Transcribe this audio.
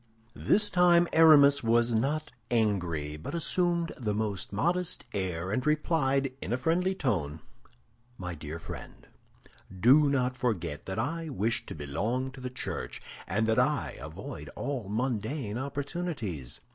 This time Aramis was not angry, but assumed the most modest air and replied in a friendly tone, "My dear friend, do not forget that I wish to belong to the Church, and that I avoid all mundane opportunities.